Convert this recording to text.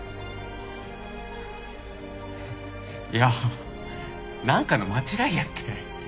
いやなんかの間違いやって。